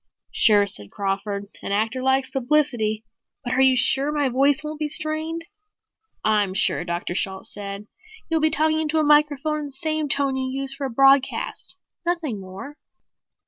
"Sure," said Crawford. "An actor likes publicity. But are you sure my voice won't be strained?" "I'm sure," Dr. Shalt said. "You'll be talking into a microphone in the same tone you use for a broadcast. Nothing more."